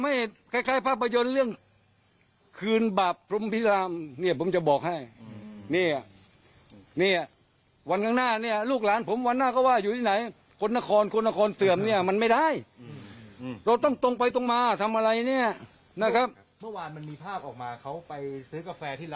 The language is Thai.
เมื่อวานมันมีภาพออกมาเขาไปซื้อกาแฟที่ร้านหนึ่งแล้วคนไปขอถ่ายรูปเยอะมาก